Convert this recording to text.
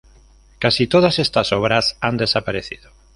Casi todas estas obras han desaparecido.